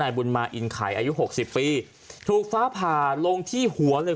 บุญมาอินไข่อายุหกสิบปีถูกฟ้าผ่าลงที่หัวเลย